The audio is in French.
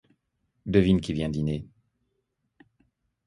Devine qui vient dîner...